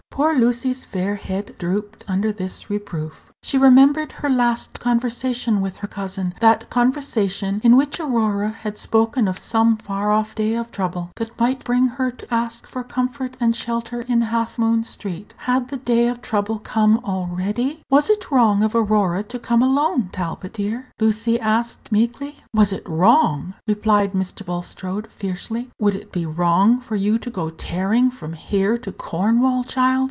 Poor Lucy's fair head drooped under this reproof. She remembered her last conversation with her cousin that conversation in which Aurora had spoken of some far off day of trouble that might bring her to ask for comfort and shelter in Half Moon street. Had the day of trouble come already? "Was it wrong of Aurora to come alone, Talbot, dear?" Lucy asked, meekly. "Was it wrong?" repeated Mr. Bulstrode, fiercely. "Would it be wrong for you to go tearing from here to Cornwall, child?"